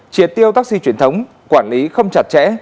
triệt tiêu taxi truyền thống quản lý không chặt chẽ